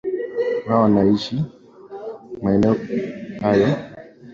watu wanaoishi maeneo hayo kuna mengi unayoweza kujifunza